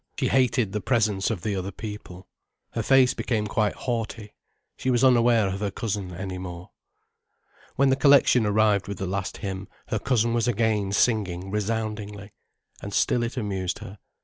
She hated the presence of the other people. Her face became quite haughty. She was unaware of her cousin any more. When the collection arrived with the last hymn, her cousin was again singing resoundingly. And still it amused her.